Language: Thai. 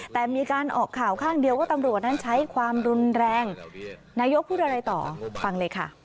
แต่มีการออกข่าวข้างเดียวว่าตำรวจนั้นใช้ความรุนแรง